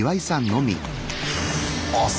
あっ！